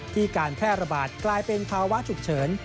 การแพร่ระบาดกลายเป็นภาวะฉุกเฉิน